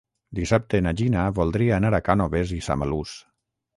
Dissabte na Gina voldria anar a Cànoves i Samalús.